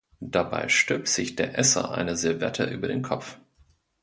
Dabei stülpt sich der Esser eine Serviette über den Kopf.